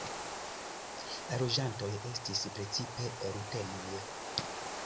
La loĝantoj estis precipe rutenoj.